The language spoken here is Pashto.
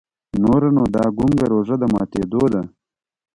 نوره نو دا ګونګه روژه د ماتېدو ده.